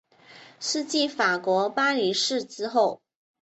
是继法国巴黎市之后。